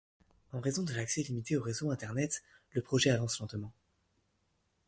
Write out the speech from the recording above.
En raison de l'accès limité au réseau Internet, le projet avance lentement.